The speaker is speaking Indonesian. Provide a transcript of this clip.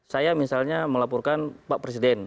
saya misalnya melaporkan pak presiden